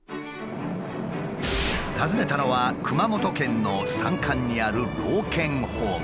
訪ねたのは熊本県の山間にある老犬ホーム。